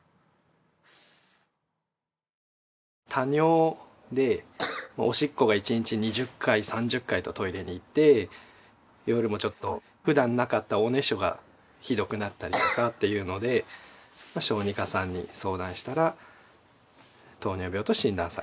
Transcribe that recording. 多尿でおしっこが１日２０回３０回とトイレに行って夜もちょっと普段なかったおねしょがひどくなったりとかっていうので小児科さんに相談したら糖尿病と診断されました。